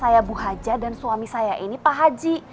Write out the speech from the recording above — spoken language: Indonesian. saya bu haja dan suami saya ini pak haji